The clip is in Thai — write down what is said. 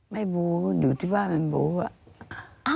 บูอยู่ที่บ้านมันบูอ่ะ